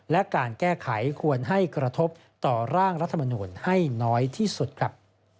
และการแก้ไขควรให้กระทบต่อร่างรัฐมนูลให้น้อยที่สุดครับ